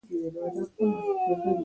زما چپس الوګان خوښيږي.